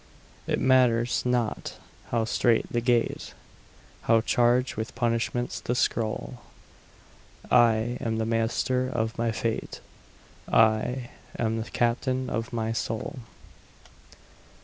It matters not how strait the gate, How charged with punishments the scroll, I am the master of my fate I am the captain of my soul.